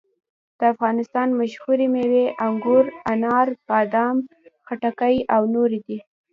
د افغانستان مشهورې مېوې انګور، انار، بادام، خټکي او نورې دي.